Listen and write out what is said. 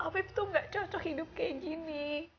afif tuh gak cocok hidup kayak gini